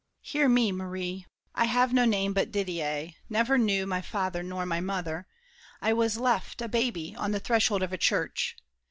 Hear me, Marie! I have no name but Didier—never knew My father nor my mother. I was left, A baby, on the threshold of a church.